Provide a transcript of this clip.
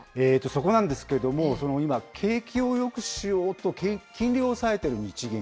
そこなんですけれども、今、景気をよくしようと金利を抑えている日銀。